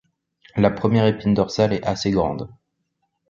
La première épine dorsale est assez grande.